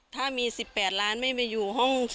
ถ้ามี๑๘ล้านไม่เป็นอยู่